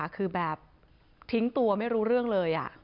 คือแบบทิ้งตัวไม่รู้เรื่องเลย